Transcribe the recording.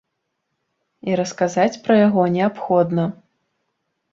І расказаць пра яго неабходна.